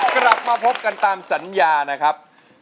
กลับมาพบกันตามสัญญานะครับ